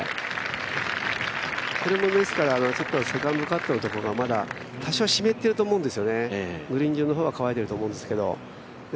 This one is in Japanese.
これもセカンドカットのところがまだ多少湿っていると思うんですよね、グリーン上の方は乾いていると思うんですけど。